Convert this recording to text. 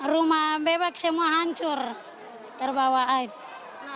rumah bebek semua hancur terbawa air